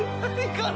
これ。